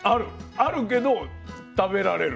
あるけど食べられる。